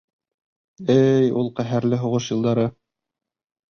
— Эй, ул ҡәһәрле һуғыш йылдары!